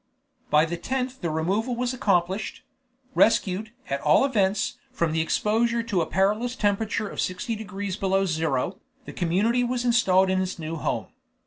By the 10th the removal was accomplished. Rescued, at all events, from the exposure to a perilous temperature of 60 degrees below zero, the community was installed in its new home.